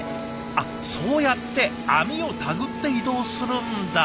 あっそうやって網を手繰って移動するんだ。